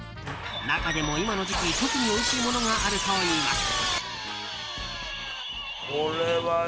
中でも今の時期、特においしいものがあるといいます。